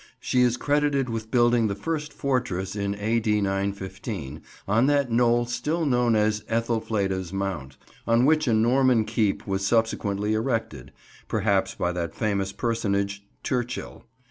She is credited with building the first fortress in A.D. 915, on that knoll still known as "Ethelfleda's Mount," on which a Norman keep was subsequently erected, perhaps by that famous personage Turchil.